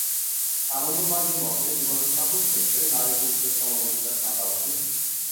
আনন্দমার্গের মতে, জীবনের সকল ক্ষেত্রে নারী পুরুষের সমান অধিকার থাকা উচিত।